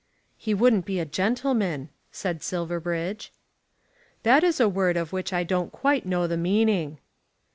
"He wouldn't be a gentleman," said Silverbridge. "That is a word of which I don't quite know the meaning."